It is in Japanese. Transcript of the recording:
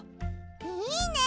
いいね！